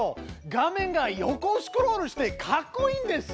画面が横スクロールしてかっこいいんです！